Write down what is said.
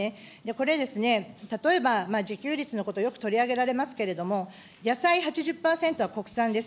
これですね、例えば、自給率のことをよく取り上げられますけれども、野菜８０％は、国産です。